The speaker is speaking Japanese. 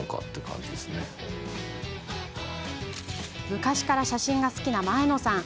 昔から写真が好きな前野さん。